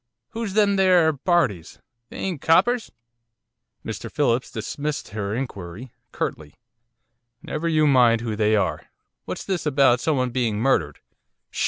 'Who's them 'ere parties? They ain't coppers?' Mr Phillips dismissed her inquiry, curtly. 'Never you mind who they are. What's this about someone being murdered.